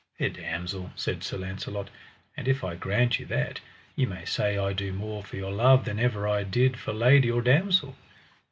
Fair damosel, said Sir Launcelot, an if I grant you that, ye may say I do more for your love than ever I did for lady or damosel.